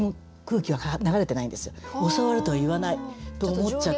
「教わる」とは言わないと思っちゃったの。